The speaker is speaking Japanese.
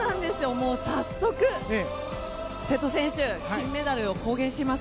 もう早速、瀬戸選手金メダルを公言しています。